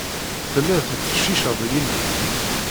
Telliḍ tettfecciceḍ yelli-k.